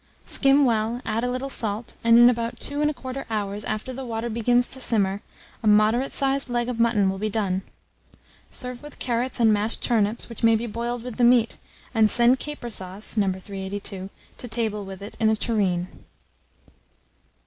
Skim well, add a little salt, and in about 2 1/4 hours after the water begins to simmer, a moderate sized leg of mutton will be done. Serve with carrots and mashed turnips, which may be boiled with the meat, and send caper sauce (No. 382) to table with it in a tureen.